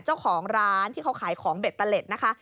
เจ้าของร้านที่เขาขายของเบตเตอร์เล็ดนะคะ